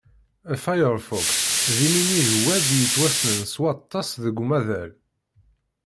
Firefox d iminig Web i yettwassnen s waṭas deg umaḍal.